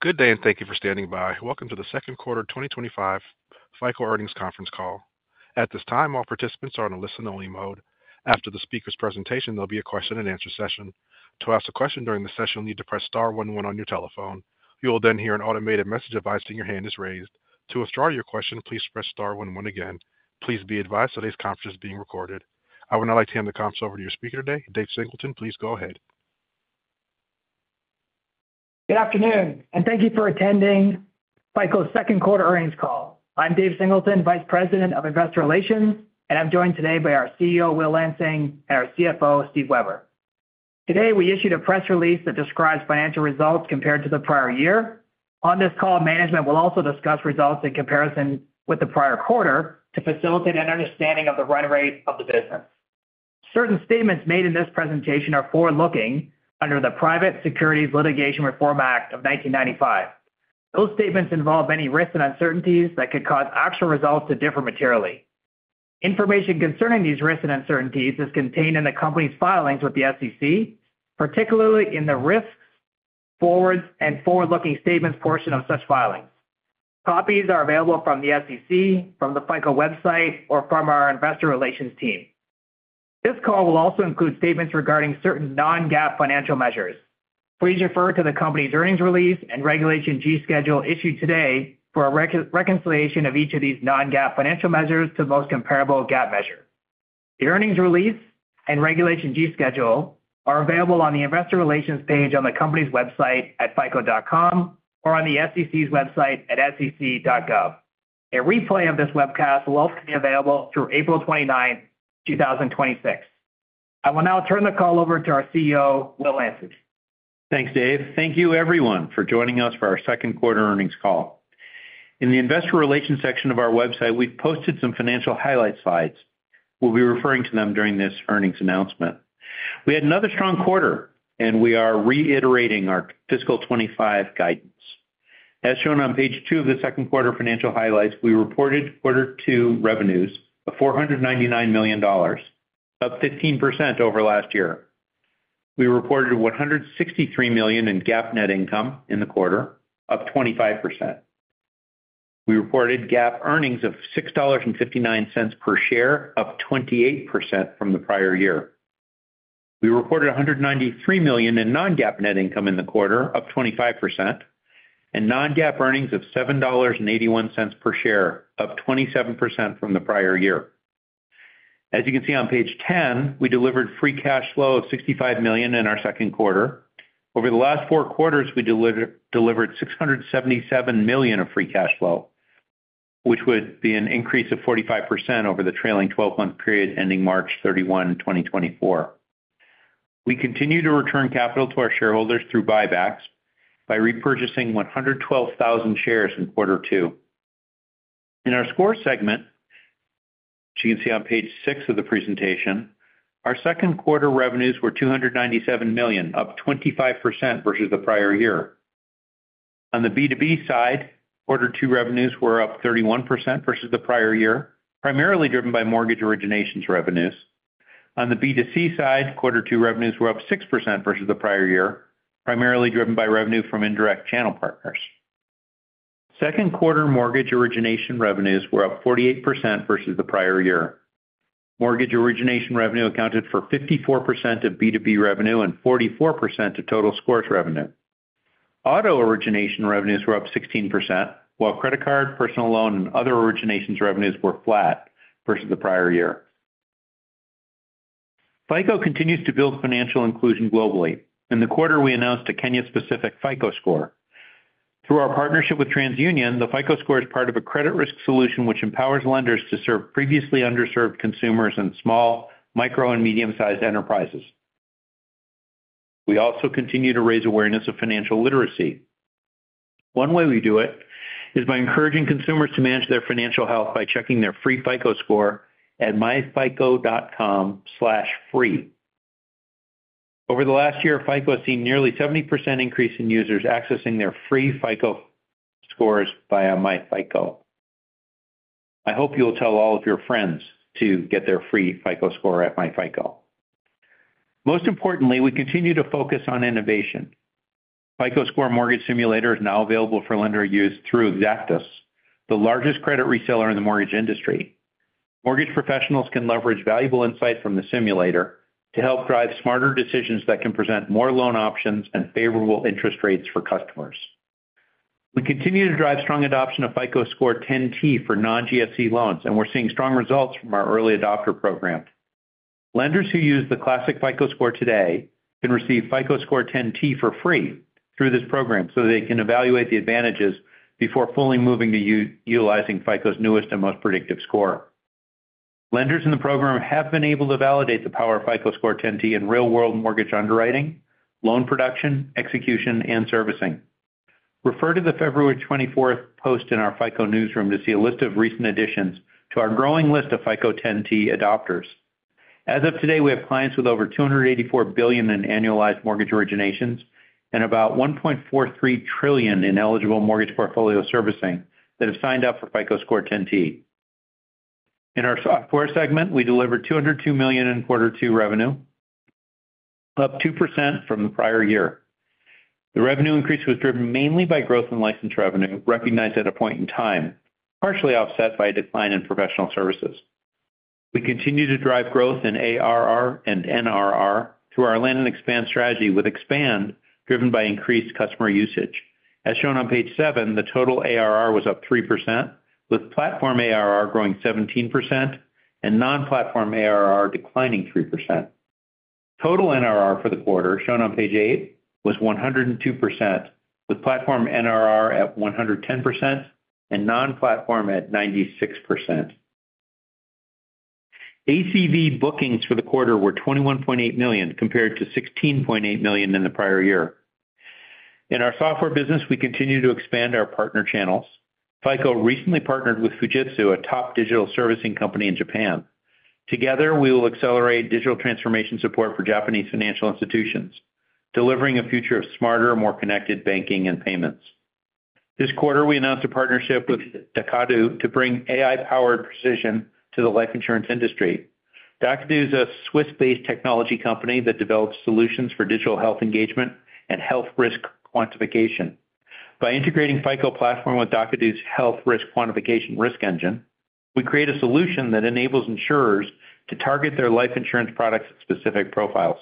Good day, and thank you for standing by. Welcome to the second quarter 2025 FICO earnings conference call. At this time, all participants are in a listen-only mode. After the speaker's presentation, there'll be a question-and-answer session. To ask a question during the session, you'll need to press star one one on your telephone. You will then hear an automated message advised when your hand is raised. To ascribe your question, please press star one one again. Please be advised today's conference is being recorded. I would now like to hand the conference over to your speaker today, Dave Singleton. Please go ahead. Good afternoon, and thank you for attending FICO's second quarter earnings call. I'm Dave Singleton, Vice President of Investor Relations, and I'm joined today by our CEO, Will Lansing, and our CFO, Steve Weber. Today, we issued a press release that describes financial results compared to the prior year. On this call, management will also discuss results in comparison with the prior quarter to facilitate an understanding of the run rate of the business. Certain statements made in this presentation are forward-looking under the Private Securities Litigation Reform Act of 1995. Those statements involve any risks and uncertainties that could cause actual results to differ materially. Information concerning these risks and uncertainties is contained in the company's filings with the SEC, particularly in the risks, forwards, and forward-looking statements portion of such filings. Copies are available from the SEC, from the FICO website, or from our investor relations team. This call will also include statements regarding certain non-GAAP financial measures. Please refer to the company's earnings release and Regulation G schedule issued today for a reconciliation of each of these non-GAAP financial measures to the most comparable GAAP measure. The earnings release and Regulation G schedule are available on the investor relations page on the company's website at fico.com or on the SEC's website at sec.gov. A replay of this webcast will also be available through April 29th, 2026. I will now turn the call over to our CEO, Will Lansing. Thanks, Dave. Thank you, everyone, for joining us for our second quarter earnings call. In the investor relations section of our website, we've posted some financial highlight slides. We'll be referring to them during this earnings announcement. We had another strong quarter, and we are reiterating our fiscal 2025 guidance. As shown on page two of the second quarter financial highlights, we reported quarter two revenues of $499 million, up 15% over last year. We reported $163 million in GAAP net income in the quarter, up 25%. We reported GAAP earnings of $6.59 per share, up 28% from the prior year. We reported $193 million in non-GAAP net income in the quarter, up 25%, and non-GAAP earnings of $7.81 per share, up 27% from the prior year. As you can see on page 10, we delivered free cash flow of $65 million in our second quarter. Over the last four quarters, we delivered $677 million of free cash flow, which would be an increase of 45% over the trailing 12-month period ending March 31, 2024. We continue to return capital to our shareholders through buybacks by repurchasing 112,000 shares in quarter two. In our Scores segment, as you can see on page six of the presentation, our second quarter revenues were $297 million, up 25% versus the prior year. On the B2B side, quarter two revenues were up 31% versus the prior year, primarily driven by mortgage originations revenues. On the B2C side, quarter two revenues were up 6% versus the prior year, primarily driven by revenue from indirect channel partners. Second quarter mortgage origination revenues were up 48% versus the prior year. Mortgage origination revenue accounted for 54% of B2B revenue and 44% of total scores revenue. Auto origination revenues were up 16%, while credit card, personal loan, and other originations revenues were flat versus the prior year. FICO continues to build financial inclusion globally. In the quarter, we announced a Kenya-specific FICO Score. Through our partnership with TransUnion, the FICO Score is part of a credit risk solution which empowers lenders to serve previously underserved consumers and small, micro, and medium-sized enterprises. We also continue to raise awareness of financial literacy. One way we do it is by encouraging consumers to manage their financial health by checking their free FICO Score at myfico.com/free. Over the last year, FICO has seen nearly a 70% increase in users accessing their free FICO Scores via myFICO. I hope you'll tell all of your friends to get their free FICO Score at myFICO. Most importantly, we continue to focus on innovation. FICO Score Mortgage Simulator is now available for lender use through Xactus, the largest credit reseller in the mortgage industry. Mortgage professionals can leverage valuable insights from the simulator to help drive smarter decisions that can present more loan options and favorable interest rates for customers. We continue to drive strong adoption of FICO Score 10T for non-GSE loans, and we're seeing strong results from our early adopter program. Lenders who use the classic FICO score today can receive FICO Score 10T for free through this program so they can evaluate the advantages before fully moving to utilizing FICO's newest and most predictive score. Lenders in the program have been able to validate the power of FICO Score 10T in real-world mortgage underwriting, loan production, execution, and servicing. Refer to the February 24th post in our FICO newsroom to see a list of recent additions to our growing list of FICO 10T adopters. As of today, we have clients with over $284 billion in annualized mortgage originations and about $1.43 trillion in eligible mortgage portfolio servicing that have signed up for FICO Score 10T. In our Software segment, we delivered $202 million in quarter two revenue, up 2% from the prior year. The revenue increase was driven mainly by growth in license revenue recognized at a point in time, partially offset by a decline in professional services. We continue to drive growth in ARR and NRR through our land and expand strategy with expand driven by increased customer usage. As shown on page seven, the total ARR was up 3%, with platform ARR growing 17% and non-platform ARR declining 3%. Total NRR for the quarter, shown on page eight, was 102%, with platform NRR at 110% and non-platform at 96%. ACV bookings for the quarter were $21.8 million compared to $16.8 million in the prior year. In our software business, we continue to expand our partner channels. FICO recently partnered with Fujitsu, a top digital servicing company in Japan. Together, we will accelerate digital transformation support for Japanese financial institutions, delivering a future of smarter, more connected banking and payments. This quarter, we announced a partnership with dacadoo to bring AI-powered precision to the life insurance industry. Dacadoo is a Swiss-based technology company that develops solutions for digital health engagement and health risk quantification. By integrating FICO Platform with dacadoo's health risk quantification risk engine, we create a solution that enables insurers to target their life insurance products at specific profiles.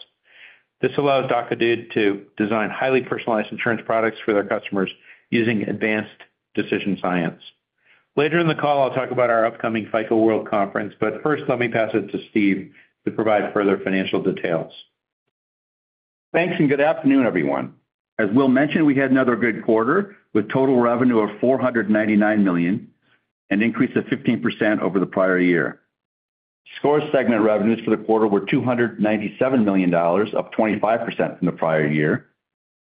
This allows dacadoo to design highly personalized insurance products for their customers using advanced decision science. Later in the call, I'll talk about our upcoming FICO World Conference, but first, let me pass it to Steve to provide further financial details. Thanks, and good afternoon, everyone. As Will mentioned, we had another good quarter with total revenue of $499 million and an increase of 15% over the prior year. Scores segment revenues for the quarter were $297 million, up 25% from the prior year.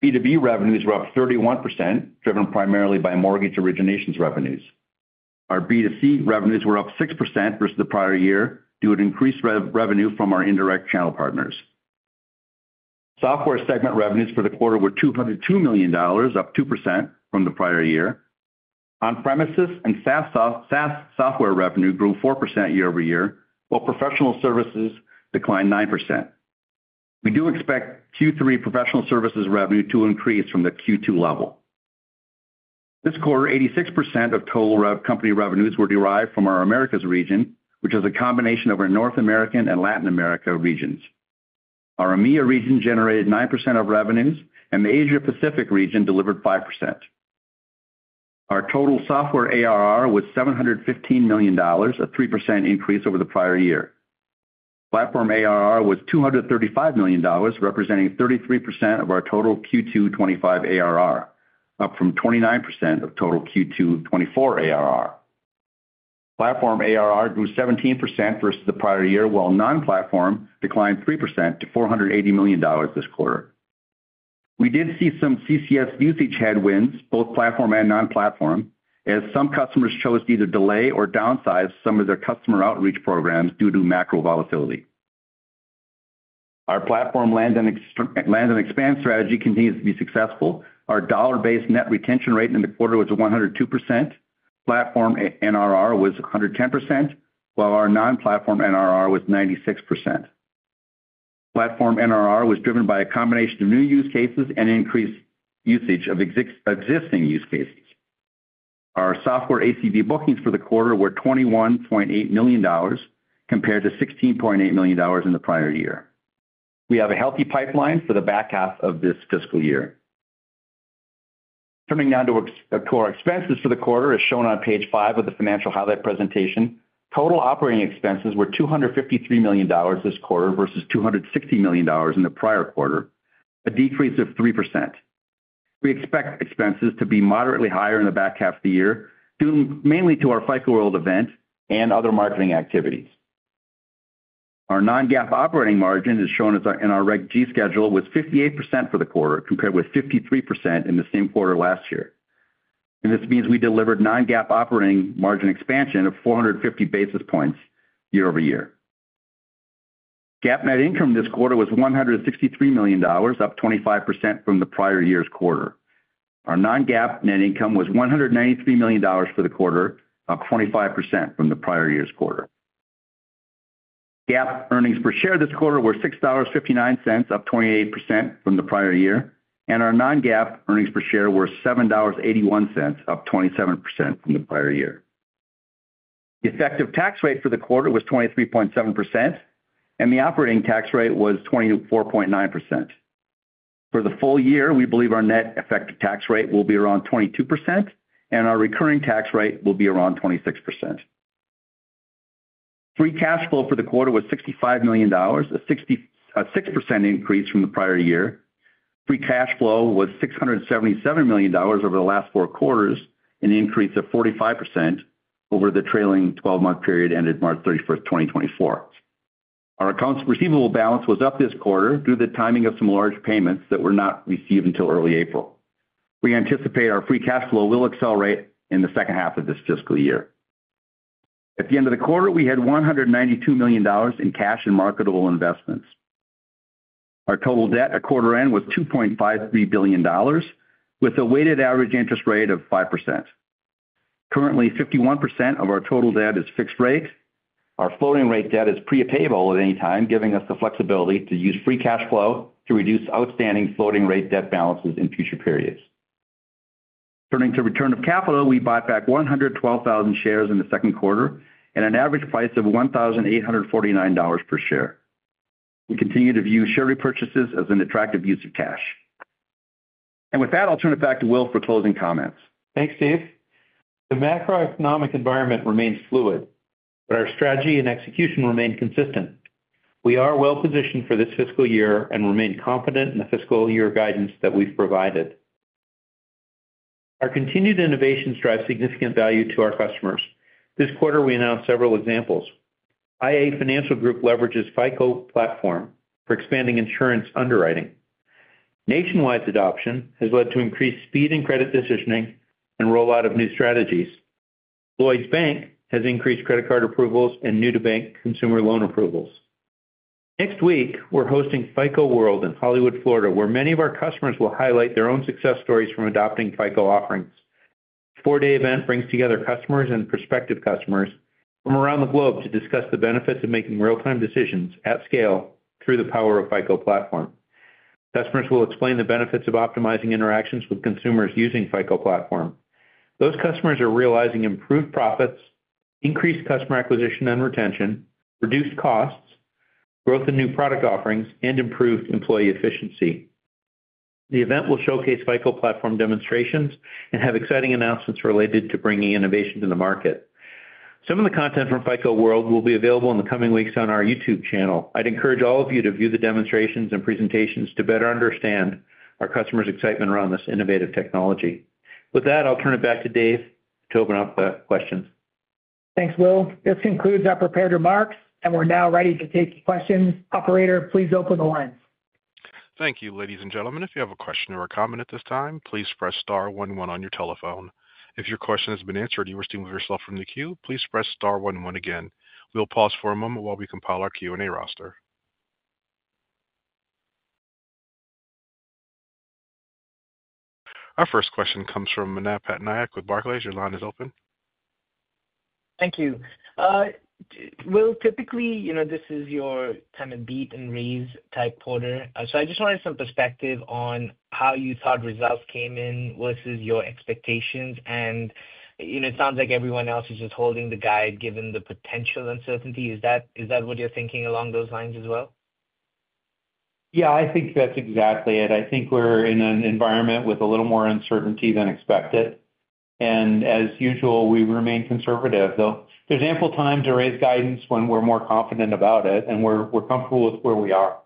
B2B revenues were up 31%, driven primarily by mortgage originations revenues. Our B2C revenues were up 6% versus the prior year due to increased revenue from our indirect channel partners. Software segment revenues for the quarter were $202 million, up 2% from the prior year. On-premises and SaaS software revenue grew 4% year-over-year, while professional services declined 9%. We do expect Q3 professional services revenue to increase from the Q2 level. This quarter, 86% of total company revenues were derived from our Americas region, which is a combination of our North American and Latin America regions. Our EMEA region generated 9% of revenues, and the Asia-Pacific region delivered 5%. Our total software ARR was $715 million, a 3% increase over the prior year. Platform ARR was $235 million, representing 33% of our total Q2 2025 ARR, up from 29% of total Q2 2024 ARR. Platform ARR grew 17% versus the prior year, while non-platform declined 3% to $480 million this quarter. We did see some CCS usage headwinds, both platform and non-platform, as some customers chose to either delay or downsize some of their customer outreach programs due to macro volatility. Our platform land and expand strategy continues to be successful. Our dollar-based net retention rate in the quarter was 102%. Platform NRR was 110%, while our non-platform NRR was 96%. Platform NRR was driven by a combination of new use cases and increased usage of existing use cases. Our software ACV bookings for the quarter were $21.8 million compared to $16.8 million in the prior year. We have a healthy pipeline for the back half of this fiscal year. Turning now to our expenses for the quarter, as shown on page five of the financial highlight presentation, total operating expenses were $253 million this quarter versus $260 million in the prior quarter, a decrease of 3%. We expect expenses to be moderately higher in the back half of the year due mainly to our FICO World event and other marketing activities. Our non-GAAP operating margin, as shown in our Reg G schedule, was 58% for the quarter, compared with 53% in the same quarter last year. This means we delivered non-GAAP operating margin expansion of 450 basis points year-over-year. GAAP net income this quarter was $163 million, up 25% from the prior year's quarter. Our non-GAAP net income was $193 million for the quarter, up 25% from the prior year's quarter. GAAP earnings per share this quarter were $6.59, up 28% from the prior year, and our non-GAAP earnings per share were $7.81, up 27% from the prior year. The effective tax rate for the quarter was 23.7%, and the operating tax rate was 24.9%. For the full year, we believe our net effective tax rate will be around 22%, and our recurring tax rate will be around 26%. Free cash flow for the quarter was $65 million, a 6% increase from the prior year. Free cash flow was $677 million over the last four quarters, an increase of 45% over the trailing 12-month period ended March 31st, 2024. Our accounts receivable balance was up this quarter due to the timing of some large payments that were not received until early April. We anticipate our free cash flow will accelerate in the second half of this fiscal year. At the end of the quarter, we had $192 million in cash and marketable investments. Our total debt at quarter end was $2.53 billion, with a weighted average interest rate of 5%. Currently, 51% of our total debt is fixed rate. Our floating rate debt is prepayable at any time, giving us the flexibility to use free cash flow to reduce outstanding floating rate debt balances in future periods. Turning to return of capital, we bought back 112,000 shares in the second quarter at an average price of $1,849 per share. We continue to view share repurchases as an attractive use of cash. With that, I'll turn it back to Will for closing comments. Thanks, Steve. The macroeconomic environment remains fluid, but our strategy and execution remain consistent. We are well-positioned for this fiscal year and remain confident in the fiscal year guidance that we've provided. Our continued innovations drive significant value to our customers. This quarter, we announced several examples, iA Financial Group leverages FICO Platform for expanding insurance underwriting. Nationwide adoption has led to increased speed in credit decisioning and rollout of new strategies. Lloyds Bank has increased credit card approvals and new-to-bank consumer loan approvals. Next week, we're hosting FICO World in Hollywood, Florida, where many of our customers will highlight their own success stories from adopting FICO offerings. The four-day event brings together customers and prospective customers from around the globe to discuss the benefits of making real-time decisions at scale through the power of FICO Platform. Customers will explain the benefits of optimizing interactions with consumers using FICO Platform. Those customers are realizing improved profits, increased customer acquisition and retention, reduced costs, growth in new product offerings, and improved employee efficiency. The event will showcase FICO Platform demonstrations and have exciting announcements related to bringing innovation to the market. Some of the content from FICO World will be available in the coming weeks on our YouTube channel. I'd encourage all of you to view the demonstrations and presentations to better understand our customers' excitement around this innovative technology. With that, I'll turn it back to Dave to open up the questions. Thanks, Will. This concludes our prepared remarks, and we're now ready to take questions. Operator, please open the lines. Thank you, ladies and gentlemen. If you have a question or a comment at this time, please press star one one on your telephone. If your question has been answered and you wish to remove yourself from the queue, please press star one one again. We'll pause for a moment while we compile our Q&A roster. Our first question comes from Manav Patnaik with Barclays. Your line is open. Thank you. Will, typically, this is your kind of beat-and-read type quarter. I just wanted some perspective on how you thought results came in versus your expectations. It sounds like everyone else is just holding the guide given the potential uncertainty. Is that what you're thinking along those lines as well? Yeah, I think that's exactly it. I think we're in an environment with a little more uncertainty than expected. As usual, we remain conservative, though. There's ample time to raise guidance when we're more confident about it and we're comfortable with where we are.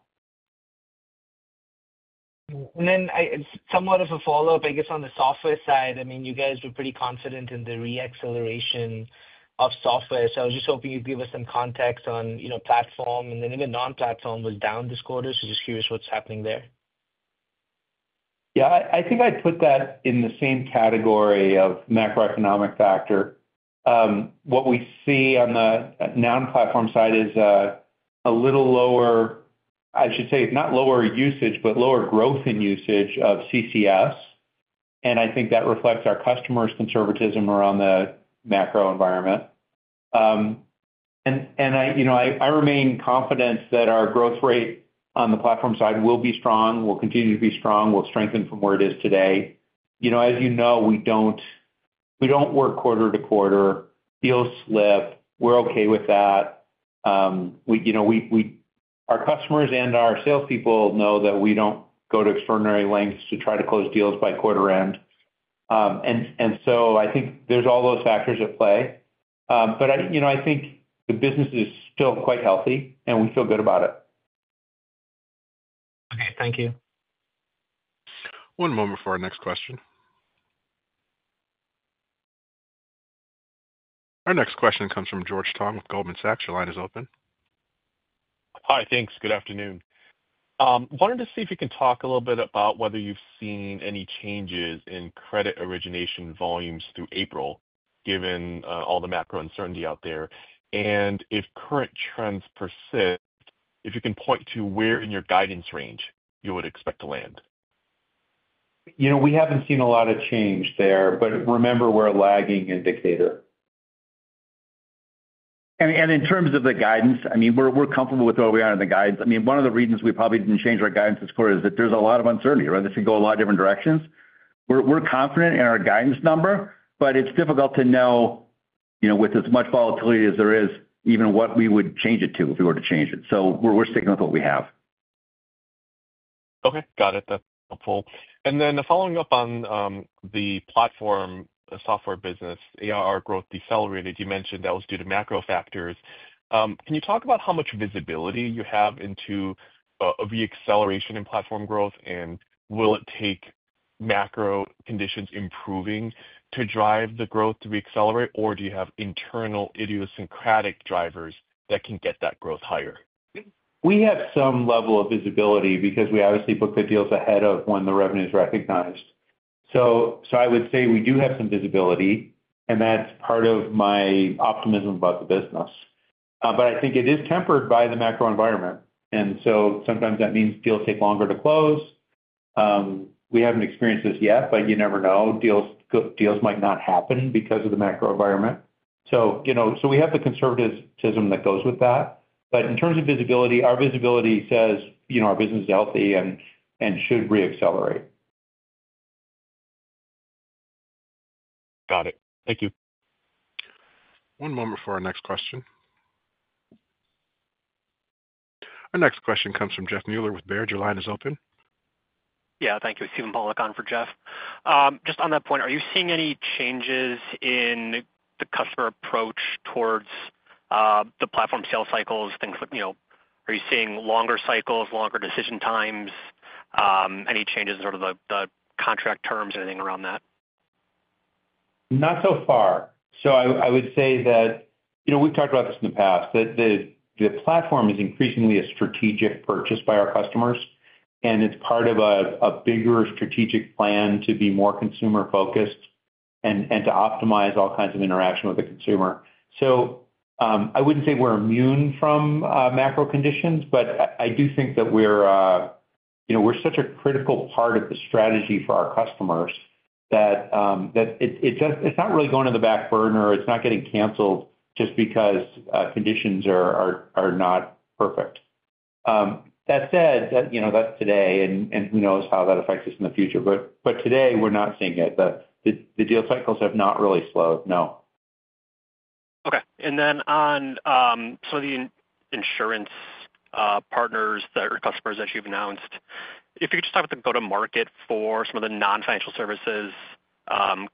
Somewhat of a follow-up, I guess, on the software side. I mean, you guys were pretty confident in the re-acceleration of software. I was just hoping you'd give us some context on platform and then even non-platform was down this quarter. Just curious what's happening there. Yeah, I think I'd put that in the same category of macroeconomic factor. What we see on the non-platform side is a little lower, I should say, not lower usage, but lower growth in usage of CCS. I think that reflects our customers' conservatism around the macro environment. I remain confident that our growth rate on the platform side will be strong, will continue to be strong, will strengthen from where it is today. As you know, we don't work quarter to quarter. Deals slip. We're okay with that. Our customers and our salespeople know that we don't go to extraordinary lengths to try to close deals by quarter end. I think there's all those factors at play. I think the business is still quite healthy, and we feel good about it. Okay, thank you. One moment for our next question. Our next question comes from George Tong with Goldman Sachs. Your line is open. Hi, thanks. Good afternoon. Wanted to see if you can talk a little bit about whether you've seen any changes in credit origination volumes through April, given all the macro uncertainty out there. If current trends persist, if you can point to where in your guidance range you would expect to land. We haven't seen a lot of change there, but remember we're a lagging indicator. In terms of the guidance, I mean, we're comfortable with where we are in the guidance. I mean, one of the reasons we probably didn't change our guidance this quarter is that there's a lot of uncertainty, right? This can go a lot of different directions. We're confident in our guidance number, but it's difficult to know with as much volatility as there is even what we would change it to if we were to change it. We're sticking with what we have. Okay, got it. That's helpful. Following up on the platform software business, ARR growth decelerated, you mentioned that was due to macro factors. Can you talk about how much visibility you have into the acceleration in platform growth, and will it take macro conditions improving to drive the growth to accelerate, or do you have internal idiosyncratic drivers that can get that growth higher? We have some level of visibility because we obviously book the deals ahead of when the revenue is recognized. I would say we do have some visibility, and that is part of my optimism about the business. I think it is tempered by the macro environment. Sometimes that means deals take longer to close. We have not experienced this yet, but you never know. Deals might not happen because of the macro environment. We have the conservatism that goes with that. In terms of visibility, our visibility says our business is healthy and should re-accelerate. Got it. Thank you. One moment for our next question. Our next question comes from Steven Pollock with Baird. Your line is open. Yeah, thank you. Steven Pollock on for Jeff. Just on that point, are you seeing any changes in the customer approach towards the platform sales cycles, things like are you seeing longer cycles, longer decision times, any changes in sort of the contract terms, anything around that? Not so far. I would say that we've talked about this in the past, that the platform is increasingly a strategic purchase by our customers, and it's part of a bigger strategic plan to be more consumer-focused and to optimize all kinds of interaction with the consumer. I wouldn't say we're immune from macro conditions, but I do think that we're such a critical part of the strategy for our customers that it's not really going to the back burner. It's not getting cancelled just because conditions are not perfect. That said, that's today, and who knows how that affects us in the future. Today, we're not seeing it. The deal cycles have not really slowed, no. Okay. On some of the insurance partners or customers that you've announced, if you could just talk about the go-to-market for some of the non-financial services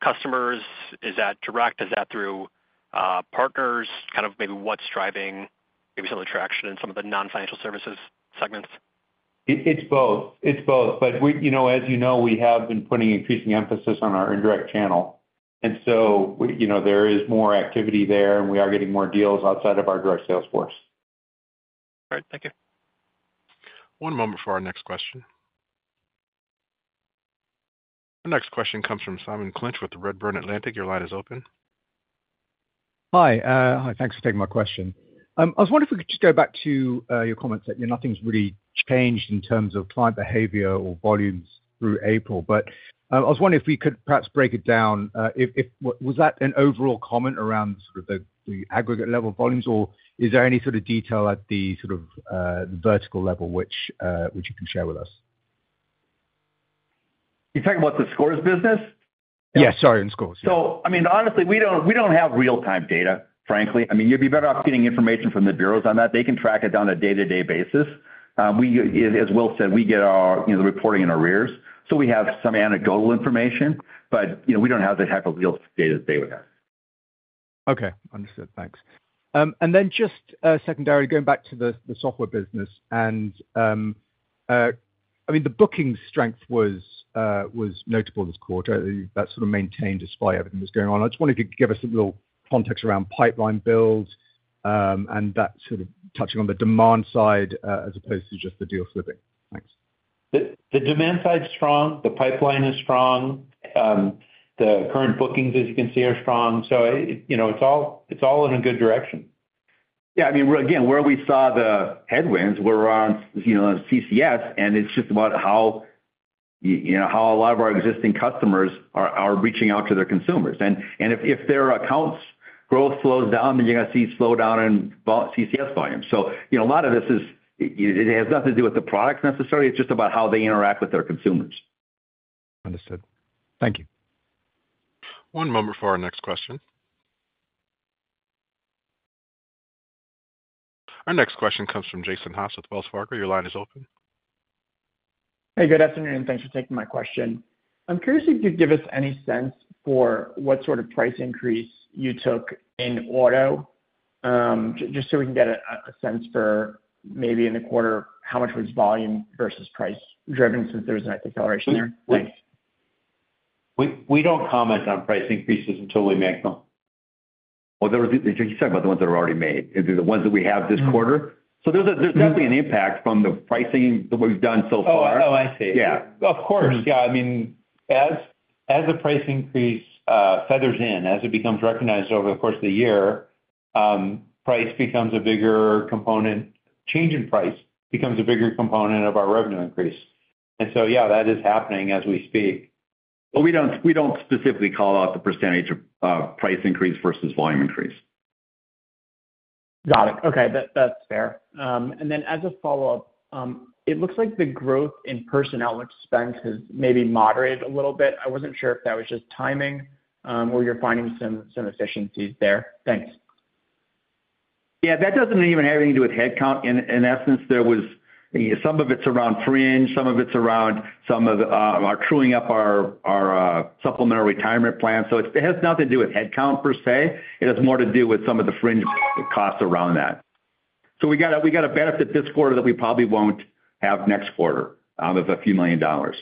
customers, is that direct? Is that through partners? Kind of maybe what's driving maybe some of the traction in some of the non-financial services segments? It's both. It's both. As you know, we have been putting increasing emphasis on our indirect channel. There is more activity there, and we are getting more deals outside of our direct sales force. All right. Thank you. One moment for our next question. Our next question comes from Simon Clinch with Redburn Atlantic. Your line is open. Hi. Thanks for taking my question. I was wondering if we could just go back to your comments that nothing's really changed in terms of client behavior or volumes through April. I was wondering if we could perhaps break it down. Was that an overall comment around sort of the aggregate level volumes, or is there any sort of detail at the sort of vertical level which you can share with us? You're talking about the Scores business? Yeah, sorry, in Scores. I mean, honestly, we do not have real-time data, frankly. I mean, you would be better off getting information from the bureaus on that. They can track it down on a day-to-day basis. As Will said, we get the reporting in arrears. We have some anecdotal information, but we do not have the type of real-time data that they would have. Okay. Understood. Thanks. Then just secondarily, going back to the Software business, and I mean, the booking strength was notable this quarter. That sort of maintained despite everything that's going on. I just wanted to give us a little context around pipeline builds and that sort of touching on the demand side as opposed to just the deal slipping. Thanks. The demand side's strong. The pipeline is strong. The current bookings, as you can see, are strong. It's all in a good direction. Yeah, I mean, again, where we saw the headwinds were around CCS, and it's just about how a lot of our existing customers are reaching out to their consumers. If their accounts' growth slows down, then you're going to see slowdown in CCS volumes. A lot of this has nothing to do with the product necessarily. It's just about how they interact with their consumers. Understood. Thank you. One moment for our next question. Our next question comes from Jason Haas with Wells Fargo. Your line is open. Hey, good afternoon. Thanks for taking my question. I'm curious if you could give us any sense for what sort of price increase you took in auto, just so we can get a sense for maybe in the quarter, how much was volume versus price driven since there was an acceleration there? We do not comment on price increases until we make them. You are talking about the ones that are already made, the ones that we have this quarter. There is definitely an impact from the pricing that we have done so far. Oh, I see. Yeah. Of course. Yeah. I mean, as the price increase feathers in, as it becomes recognized over the course of the year, price becomes a bigger component. Change in price becomes a bigger component of our revenue increase. Yeah, that is happening as we speak. We do not specifically call out the percentage of price increase versus volume increase. Got it. Okay. That's fair. As a follow-up, it looks like the growth in person outlet spend has maybe moderated a little bit. I wasn't sure if that was just timing or you're finding some efficiencies there. Thanks. Yeah, that doesn't even have anything to do with headcount. In essence, some of it's around fringe. Some of it's around some of our truing up our supplemental retirement plan. It has nothing to do with headcount per se. It has more to do with some of the fringe costs around that. We got a benefit this quarter that we probably won't have next quarter of a few million dollars.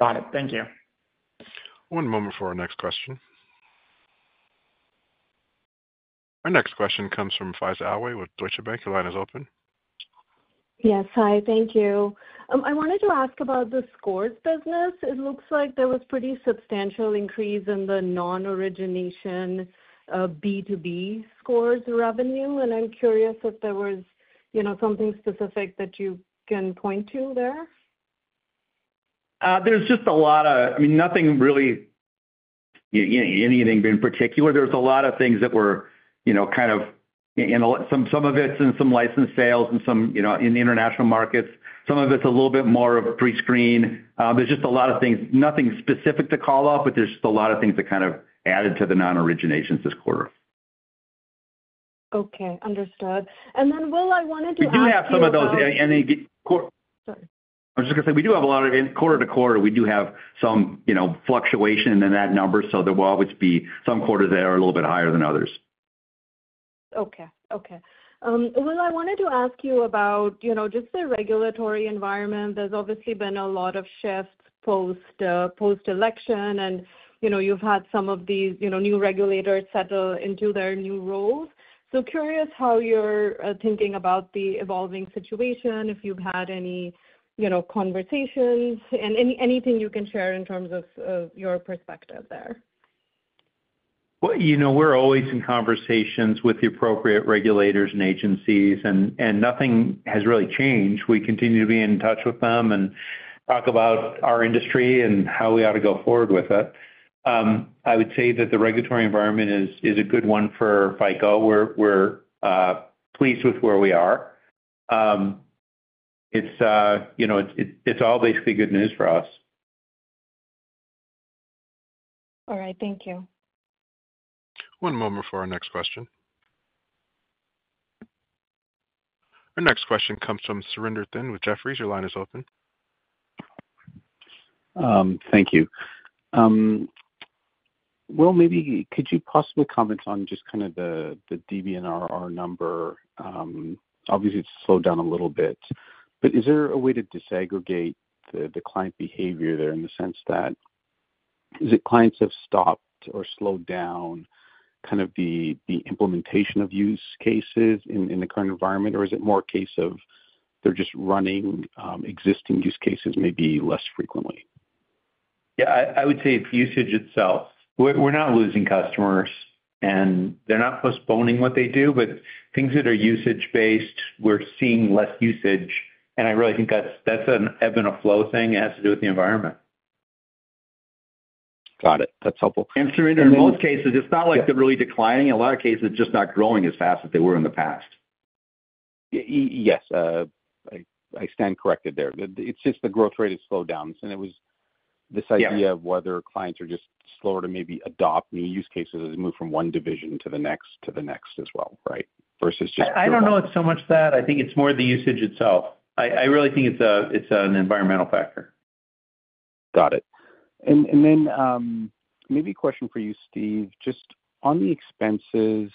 Got it. Thank you. One moment for our next question. Our next question comes from Faiza Alwy with Deutsche Bank. Your line is open. Yes. Hi. Thank you. I wanted to ask about the scores business. It looks like there was a pretty substantial increase in the non-origination B2B scores revenue. I am curious if there was something specific that you can point to there. There's just a lot of, I mean, nothing really anything in particular. There's a lot of things that were kind of, some of it's in some licensed sales and some in international markets. Some of it's a little bit more of pre-screen. There's just a lot of things. Nothing specific to call out, but there's just a lot of things that kind of added to the non-originations this quarter. Okay. Understood. Will, I wanted to ask about. We do have some of those. Sorry. I was just going to say we do have a lot of quarter to quarter, we do have some fluctuation in that number. There will always be some quarters that are a little bit higher than others. Okay. Okay. Will, I wanted to ask you about just the regulatory environment. There's obviously been a lot of shifts post-election, and you've had some of these new regulators settle into their new roles. Curious how you're thinking about the evolving situation, if you've had any conversations, and anything you can share in terms of your perspective there. We're always in conversations with the appropriate regulators and agencies, and nothing has really changed. We continue to be in touch with them and talk about our industry and how we ought to go forward with it. I would say that the regulatory environment is a good one for FICO. We're pleased with where we are. It's all basically good news for us. All right. Thank you. One moment for our next question. Our next question comes from Surinder Thind with Jefferies. Your line is open. Thank you. Will, maybe could you possibly comment on just kind of the DBNR number? Obviously, it's slowed down a little bit. Is there a way to disaggregate the client behavior there in the sense that clients have stopped or slowed down kind of the implementation of use cases in the current environment, or is it more a case of they're just running existing use cases maybe less frequently? Yeah, I would say it's usage itself. We're not losing customers, and they're not postponing what they do. Things that are usage-based, we're seeing less usage. I really think that's an ebb and a flow thing. It has to do with the environment. Got it. That's helpful. In most cases, it's not like they're really declining. In a lot of cases, it's just not growing as fast as they were in the past. Yes. I stand corrected there. It's just the growth rate has slowed down. It was this idea of whether clients are just slower to maybe adopt new use cases as they move from one division to the next as well, right, versus just. I don't know it's so much that. I think it's more the usage itself. I really think it's an environmental factor. Got it. Maybe a question for you, Steve. Just on the expenses,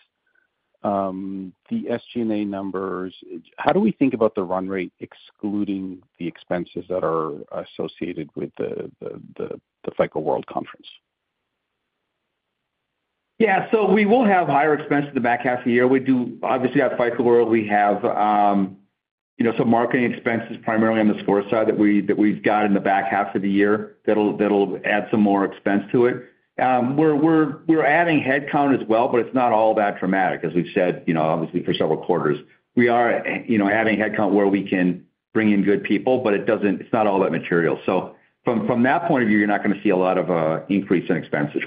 the SG&A numbers, how do we think about the run rate excluding the expenses that are associated with the FICO World Conference? Yeah. We will have higher expenses in the back half of the year. We do obviously have FICO World. We have some marketing expenses primarily on the score side that we've got in the back half of the year that'll add some more expense to it. We're adding headcount as well, but it's not all that dramatic, as we've said, obviously, for several quarters. We are adding headcount where we can bring in good people, but it's not all that material. From that point of view, you're not going to see a lot of increase in expenses.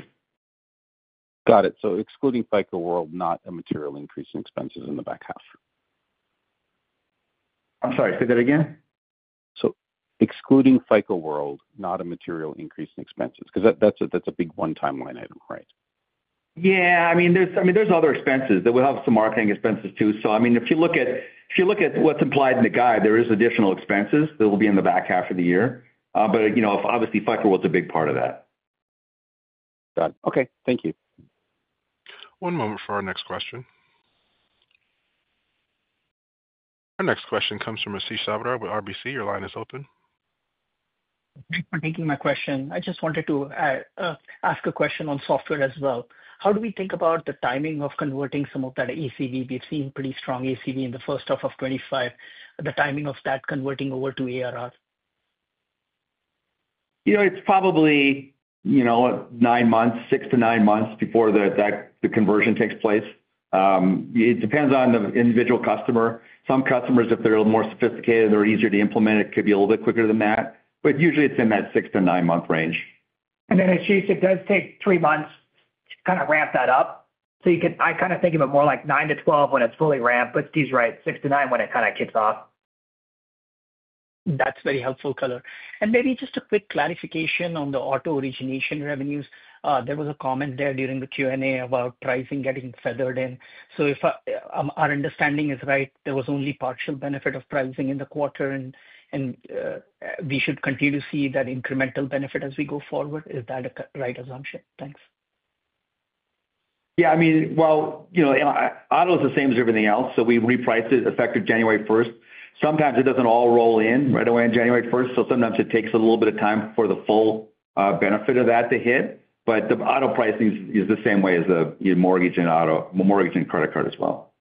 Got it. Excluding FICO World, not a material increase in expenses in the back half. I'm sorry. Say that again. Excluding FICO World, not a material increase in expenses because that's a big one-time line item, right? Yeah. I mean, there's other expenses. We'll have some marketing expenses too. I mean, if you look at what's implied in the guide, there are additional expenses that will be in the back half of the year. Obviously, FICO World is a big part of that. Got it. Okay. Thank you. One moment for our next question. Our next question comes from Ashish Sabadra with RBC. Your line is open. Thank you for taking my question. I just wanted to ask a question on software as well. How do we think about the timing of converting some of that ACV? We've seen pretty strong ACV in the first half of 2025. The timing of that converting over to ARR? It's probably six to nine months before the conversion takes place. It depends on the individual customer. Some customers, if they're a little more sophisticated or easier to implement, it could be a little bit quicker than that. Usually, it's in that six to nine-month range. It does take three months to kind of ramp that up. I kind of think of it more like 9 to 12 months when it's fully ramped. Steve's right. Six to nine when it kind of kicks off. That's very helpful, Color. Maybe just a quick clarification on the auto origination revenues. There was a comment there during the Q&A about pricing getting feathered in. If our understanding is right, there was only partial benefit of pricing in the quarter, and we should continue to see that incremental benefit as we go forward. Is that a right assumption? Thanks. Yeah. I mean, auto is the same as everything else. We repriced it effective January 1st. Sometimes it does not all roll in right away on January 1st. Sometimes it takes a little bit of time for the full benefit of that to hit. The auto pricing is the same way as the mortgage and credit card as well.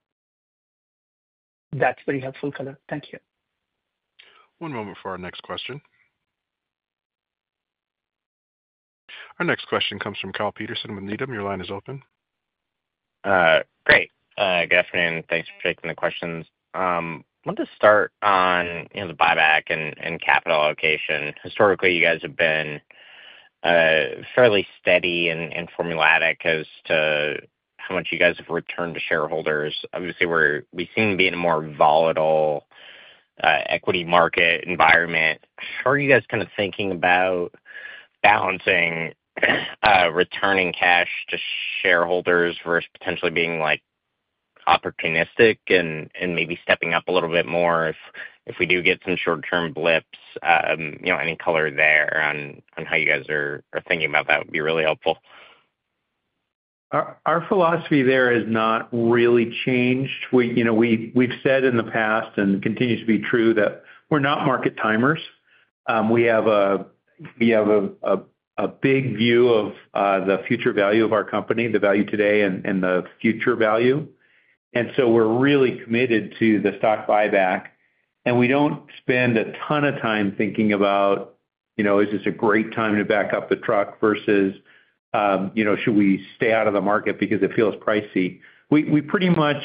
That's very helpful, Color. Thank you. One moment for our next question. Our next question comes from Kyle Peterson with Needham. Your line is open. Great. Good afternoon. Thanks for taking the questions. I wanted to start on the buyback and capital allocation. Historically, you guys have been fairly steady and formulaic as to how much you guys have returned to shareholders. Obviously, we've seen being a more volatile equity market environment. How are you guys kind of thinking about balancing returning cash to shareholders versus potentially being opportunistic and maybe stepping up a little bit more if we do get some short-term blips? Any color there on how you guys are thinking about that would be really helpful. Our philosophy there has not really changed. We've said in the past and continues to be true that we're not market timers. We have a big view of the future value of our company, the value today, and the future value. We are really committed to the stock buyback. We do not spend a ton of time thinking about, "Is this a great time to back up the truck?" versus, "Should we stay out of the market because it feels pricey?" We pretty much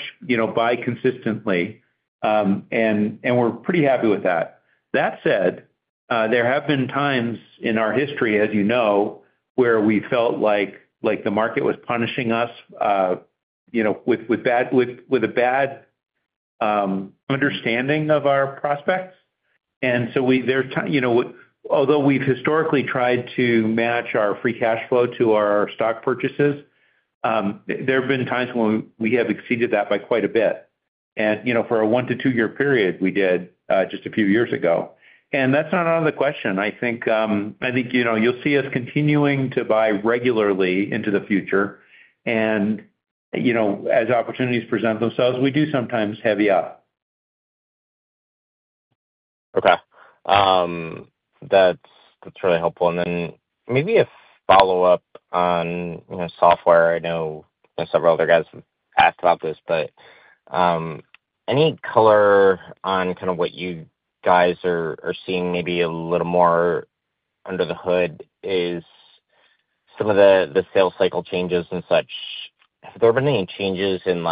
buy consistently, and we're pretty happy with that. That said, there have been times in our history, as you know, where we felt like the market was punishing us with a bad understanding of our prospects. There are times although we have historically tried to match our free cash flow to our stock purchases, there have been times when we have exceeded that by quite a bit. For a one to two-year period, we did just a few years ago. That is not out of the question. I think you will see us continuing to buy regularly into the future. As opportunities present themselves, we do sometimes heavy up. Okay. That's really helpful. Maybe a follow-up on software. I know several other guys have asked about this, but any color on kind of what you guys are seeing maybe a little more under the hood is some of the sales cycle changes and such? Have there been any changes in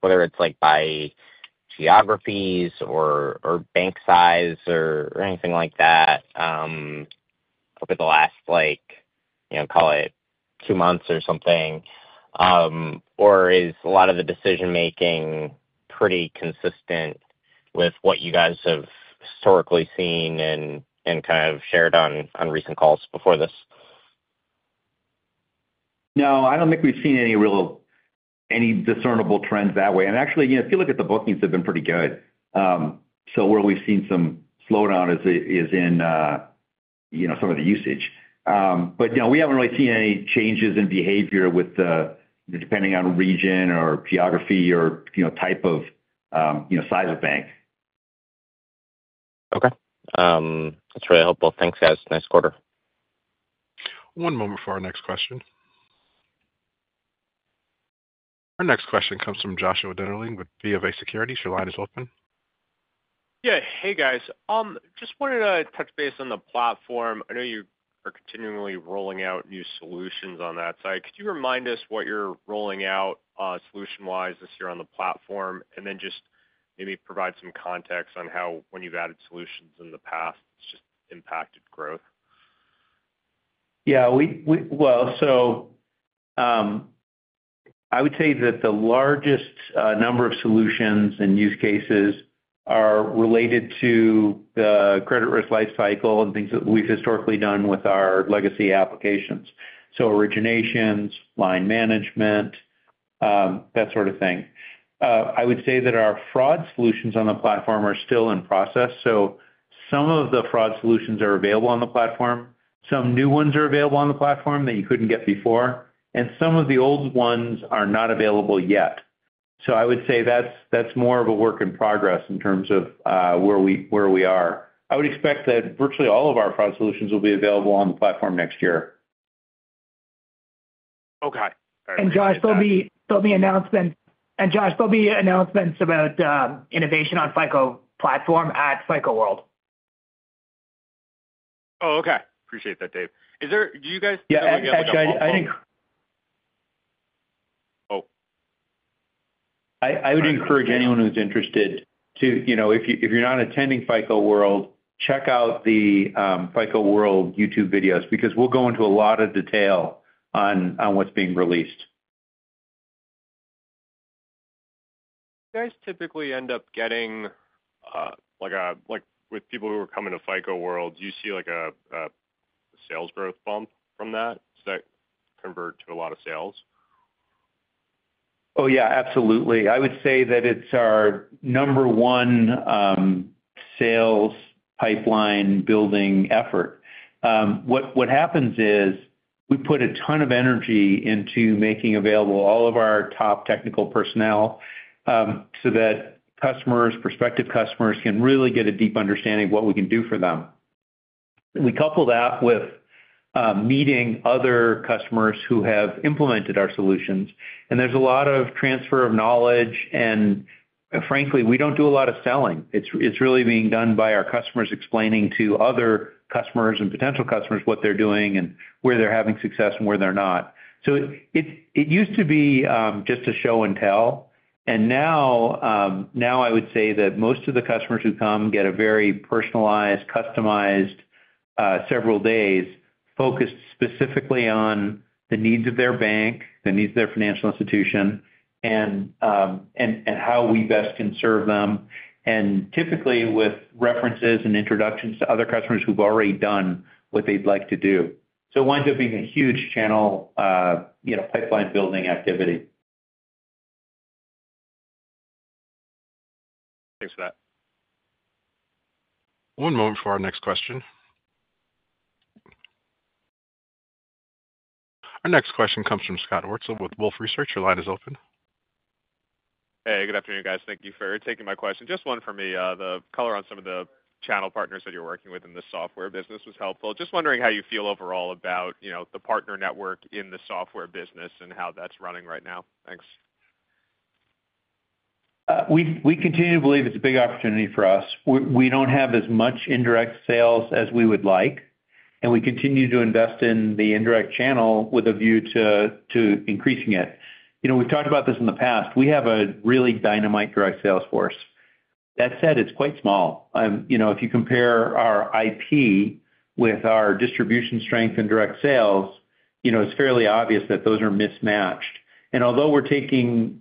whether it's by geographies or bank size or anything like that over the last, call it, two months or something? Is a lot of the decision-making pretty consistent with what you guys have historically seen and kind of shared on recent calls before this? No. I don't think we've seen any discernible trends that way. Actually, if you look at the bookings, they've been pretty good. Where we've seen some slowdown is in some of the usage. We haven't really seen any changes in behavior depending on region or geography or type of size of bank. Okay. That's really helpful. Thanks, guys. Nice quarter. One moment for our next question. Our next question comes from Joshua Dennerlein with BofA Securities. Your line is open. Yeah. Hey, guys. Just wanted to touch base on the platform. I know you are continually rolling out new solutions on that side. Could you remind us what you're rolling out solution-wise this year on the platform, and then just maybe provide some context on how, when you've added solutions in the past, it's just impacted growth? Yeah. I would say that the largest number of solutions and use cases are related to the credit risk life cycle and things that we've historically done with our legacy applications. Originations, line management, that sort of thing. I would say that our fraud solutions on the platform are still in process. Some of the fraud solutions are available on the platform. Some new ones are available on the platform that you couldn't get before. Some of the old ones are not available yet. I would say that's more of a work in progress in terms of where we are. I would expect that virtually all of our fraud solutions will be available on the platform next year. Okay. Josh, there'll be announcements about innovation on FICO Platform at FICO World. Oh, okay. Appreciate that, Will. Do you guys have any other questions? Yeah. Actually, I think. Oh. I would encourage anyone who's interested to, if you're not attending FICO World, check out the FICO World YouTube videos because we'll go into a lot of detail on what's being released. You guys typically end up getting with people who are coming to FICO World, you see a sales growth bump from that? Does that convert to a lot of sales? Oh, yeah. Absolutely. I would say that it's our number one sales pipeline building effort. What happens is we put a ton of energy into making available all of our top technical personnel so that customers, prospective customers, can really get a deep understanding of what we can do for them. We couple that with meeting other customers who have implemented our solutions. There is a lot of transfer of knowledge. Frankly, we do not do a lot of selling. It is really being done by our customers explaining to other customers and potential customers what they are doing and where they are having success and where they are not. It used to be just a show and tell. I would say that most of the customers who come get a very personalized, customized several days focused specifically on the needs of their bank, the needs of their financial institution, and how we best can serve them, typically with references and introductions to other customers who've already done what they'd like to do. It winds up being a huge channel pipeline building activity. Thanks for that. One moment for our next question. Our next question comes from Scott Wurtzel with Wolfe Research. Your line is open. Hey. Good afternoon, guys. Thank you for taking my question. Just one for me. The color on some of the channel partners that you're working with in the software business was helpful. Just wondering how you feel overall about the partner network in the Software business and how that's running right now. Thanks. We continue to believe it's a big opportunity for us. We don't have as much indirect sales as we would like. We continue to invest in the indirect channel with a view to increasing it. We've talked about this in the past. We have a really dynamite direct sales force. That said, it's quite small. If you compare our IP with our distribution strength and direct sales, it's fairly obvious that those are mismatched. Although we're taking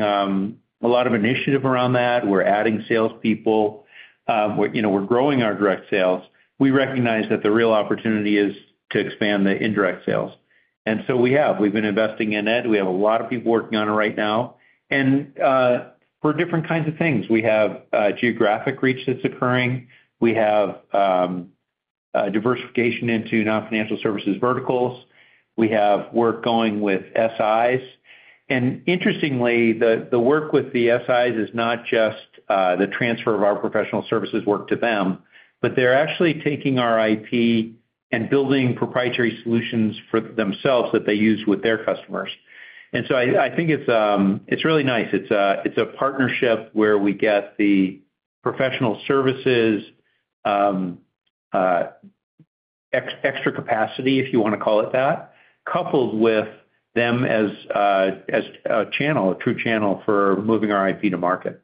a lot of initiative around that, we're adding salespeople, we're growing our direct sales, we recognize that the real opportunity is to expand the indirect sales. We have. We've been investing in it. We have a lot of people working on it right now. For different kinds of things. We have geographic reach that's occurring. We have diversification into non-financial services verticals. We have work going with SIs. Interestingly, the work with the SIs is not just the transfer of our professional services work to them, but they're actually taking our IP and building proprietary solutions for themselves that they use with their customers. I think it's really nice. It's a partnership where we get the professional services, extra capacity, if you want to call it that, coupled with them as a channel, a true channel for moving our IP to market.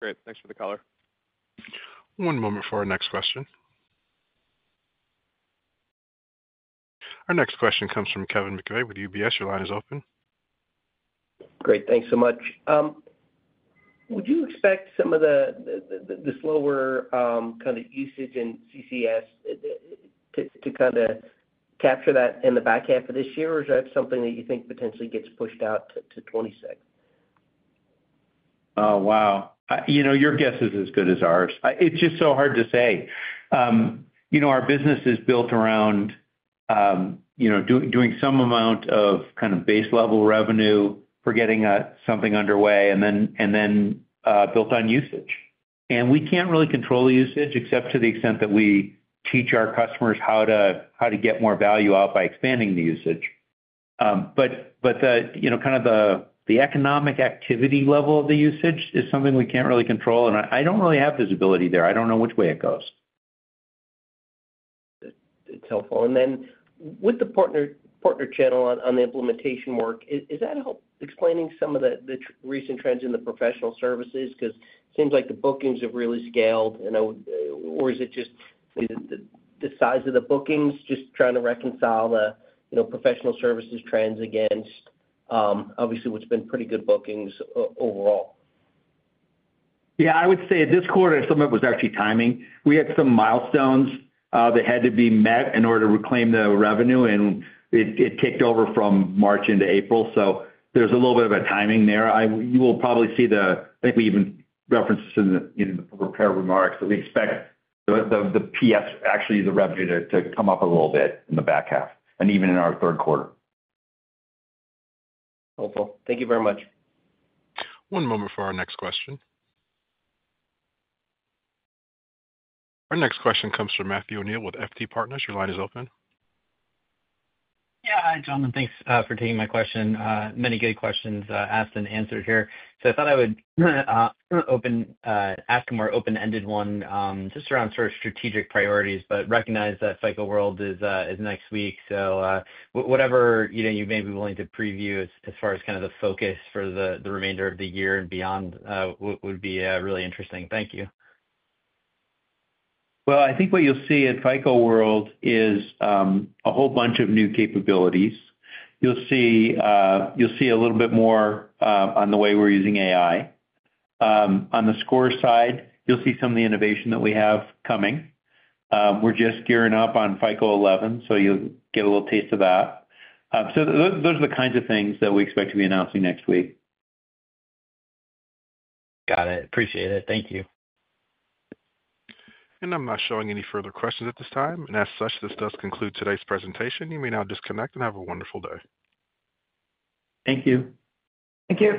Great. Thanks for the color. One moment for our next question. Our next question comes from Kevin McVeigh with UBS. Your line is open. Great. Thanks so much. Would you expect some of the slower kind of usage in CCS to kind of capture that in the back half of this year, or is that something that you think potentially gets pushed out to 2026? Oh, wow. Your guess is as good as ours. It's just so hard to say. Our business is built around doing some amount of kind of base-level revenue for getting something underway and then built on usage. We can't really control the usage except to the extent that we teach our customers how to get more value out by expanding the usage. The economic activity level of the usage is something we can't really control. I don't really have visibility there. I don't know which way it goes. That's helpful. With the partner channel on the implementation work, is that help explaining some of the recent trends in the professional services? Because it seems like the bookings have really scaled. Is it just the size of the bookings just trying to reconcile the professional services trends against, obviously, what's been pretty good bookings overall? Yeah. I would say this quarter, some of it was actually timing. We had some milestones that had to be met in order to reclaim the revenue. And it ticked over from March into April. There is a little bit of a timing there. You will probably see the, I think we even referenced this in the prepared remarks, that we expect the PS, actually, the revenue to come up a little bit in the back half and even in our third quarter. Helpful. Thank you very much. One moment for our next question. Our next question comes from Matthew O'Neill with FT Partners. Your line is open. Yeah. Hi, John. Thanks for taking my question. Many good questions asked and answered here. I thought I would ask a more open-ended one just around sort of strategic priorities, but recognize that FICO World is next week. Whatever you may be willing to preview as far as kind of the focus for the remainder of the year and beyond would be really interesting. Thank you. I think what you'll see at FICO World is a whole bunch of new capabilities. You'll see a little bit more on the way we're using AI. On the score side, you'll see some of the innovation that we have coming. We're just gearing up on FICO 11, so you'll get a little taste of that. Those are the kinds of things that we expect to be announcing next week. Got it. Appreciate it. Thank you. I'm not showing any further questions at this time. As such, this does conclude today's presentation. You may now disconnect and have a wonderful day. Thank you. Thank you.